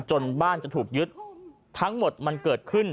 จนบ้านจะถูกยึดทั้งหมดมันเกิดขึ้น